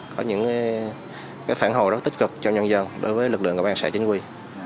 có những phản hồi rất tích cực cho nhân dân đối với lực lượng công an xã chính quy